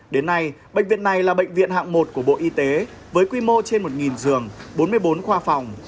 đến nay bệnh viện này là bệnh viện hạng một của bộ y tế với quy mô trên một giường bốn mươi bốn khoa phòng